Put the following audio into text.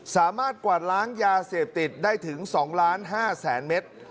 สามารถกวาดล้างยาเสพติดได้ถึง๒๕๐๐๐เมตร